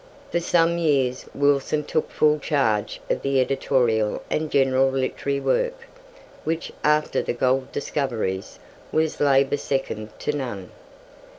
For some years Wilson took full charge of the editorial and general literary work, which, after the gold discoveries, was labour second to none.